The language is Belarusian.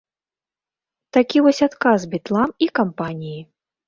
Такі вось адказ бітлам і кампаніі.